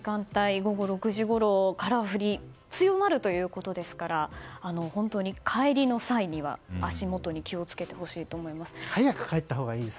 午後６時ごろから降り強まるということですから帰りの際には足元に早く帰ったほうがいいです。